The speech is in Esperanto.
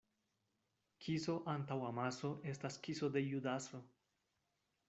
Kiso antaŭ amaso estas kiso de Judaso.